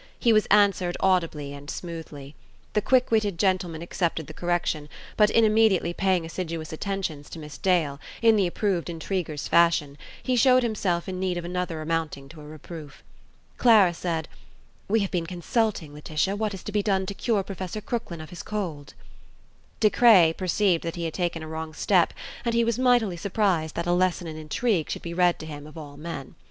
He was answered audibly and smoothly. The quickwitted gentleman accepted the correction: but in immediately paying assiduous attentions to Miss Dale, in the approved intriguer's fashion, he showed himself in need of another amounting to a reproof. Clara said: "We have been consulting, Laetitia, what is to be done to cure Professor Crooklyn of his cold." De Craye perceived that he had taken a wrong step, and he was mightily surprised that a lesson in intrigue should be read to him of all men.